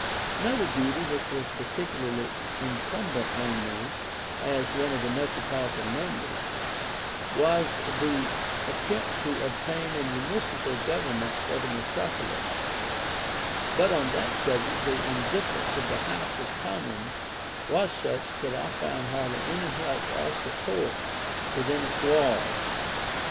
Another duty which was particularly incumbent on me as one of the Metropolitan Members, was the attempt to obtain a Municipal Government for the Metropolis: but on that subject the indifference of the House of Commons was such that I found hardly any help or support within its walls.